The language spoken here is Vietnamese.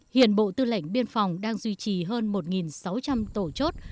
hiện bộ tư lệnh biên phòng đang duy trì hơn một sáu trăm linh tổ chốt